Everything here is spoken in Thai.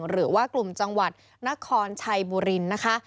หรือว่ากลุ่มจังหวัดนครชัยบุรีนะคะ